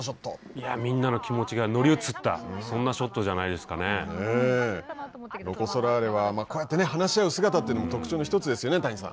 みんなの気持ちが乗り移ったロコ・ソラーレはこうやって話し合う姿というのも特徴の一つですよね、谷さん。